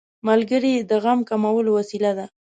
ملګری د غم کمولو وسیله ده